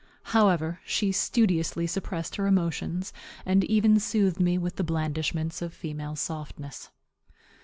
However, she studiously suppressed her emotions, and even soothed me with the blandishments of female softness.